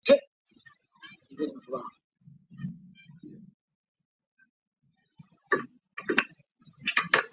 该市以其体育比赛场地和主办职业网球联合会赛事清奈公开赛着称。